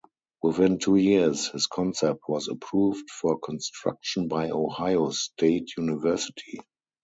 Within two years, his concept was approved for construction by Ohio State University.